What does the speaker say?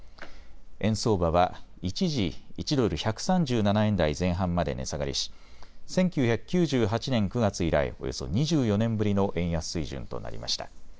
円相場は一時、１ドル１３７円台前半まで値下がりし１９９８年９月以来、およそ２４年ぶりの円安水準となりました。